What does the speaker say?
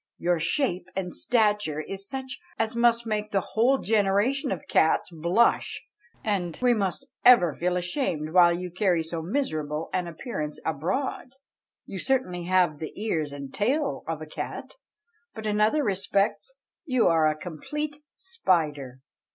Your shape and stature is such as must make the whole generation of cats blush; and we must ever feel ashamed while you carry so miserable an appearance abroad. You certainly have the ears and tail of a cat, But in other respects you are a complete spider.